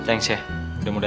makasih sih udah mau dateng